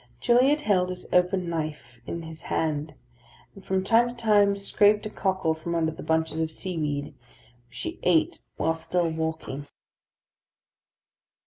Gilliatt held his open knife in his hand, and from time to time scraped a cockle from under the bunches of seaweed, which he ate while still walking.